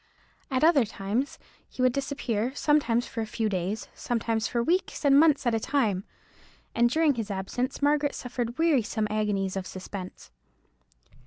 At other times he would disappear, sometimes for a few days, sometimes for weeks and months at a time; and during his absence Margaret suffered wearisome agonies of suspense.